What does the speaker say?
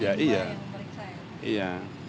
jadi kalian periksa ya